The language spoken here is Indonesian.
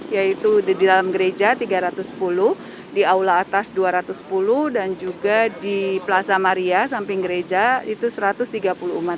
yaitu di dalam gereja tiga ratus sepuluh di aula atas dua ratus sepuluh dan juga di plaza maria samping gereja itu satu ratus tiga puluh umat